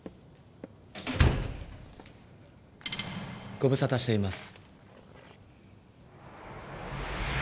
ご無沙汰しています。